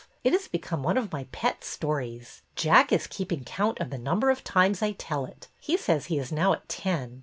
It has become one of my pet stories. Jack is keeping count of the number of times I tell it. He says he is now at ten.